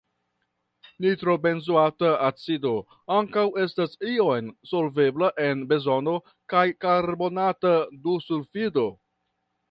Nitrobenzoata acido ankaŭ estas iom solvebla en benzeno kaj karbona dusulfido.